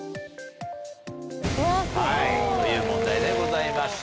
はいという問題でございました。